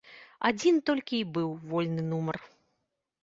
Адзін толькі й быў вольны нумар.